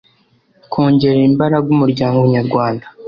kongerera imbaraga umuryango nyarwanda